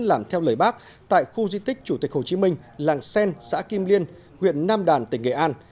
làm theo lời bác tại khu di tích chủ tịch hồ chí minh làng sen xã kim liên huyện nam đàn tỉnh nghệ an